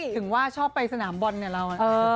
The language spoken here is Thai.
ถึงว่าชอบไปสนามบอลเนี่ยเรา